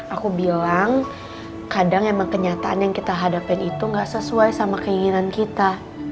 aku bilang kadang emang kenyataan yang kita hadapin itu gak sesuai sama keinginan kita